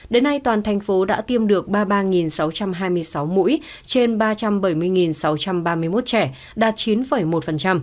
đến nay toàn thành phố đã tiêm được ba mươi ba sáu trăm hai mươi sáu mũi trên ba trăm bảy mươi sáu trăm ba mươi một trẻ đạt chín một